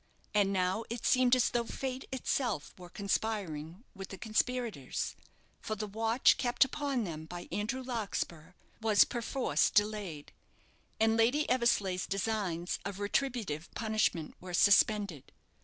And now it seemed as though Fate itself were conspiring with the conspirators, for the watch kept upon them by Andrew Larkspur was perforce delayed, and Lady Eversleigh's designs of retributive punishment were suspended.